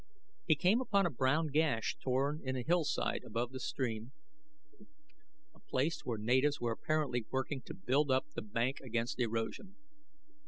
He came upon a brown gash torn in a hillside above the stream, a place where natives were apparently working to build up the bank against erosion.